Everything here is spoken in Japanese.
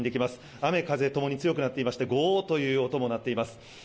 雨風ともに強くなっていましてゴーッという音も鳴っています。